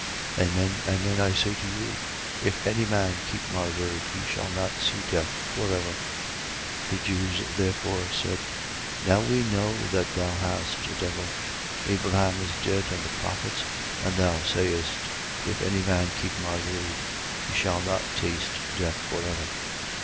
8:51. Amen, amen, I say to you: If any man keep my word, he shall not see death for ever. 8:52. The Jews therefore said: Now we know that thou hast a devil. Abraham is dead, and the prophets: and thou sayest: If any man keep my word, he shall not taste death for ever.